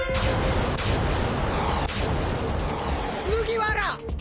麦わらぁ！